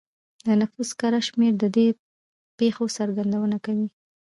د نفوس کره شمېر د دې پېښو څرګندونه کوي